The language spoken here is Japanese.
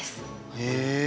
へえ。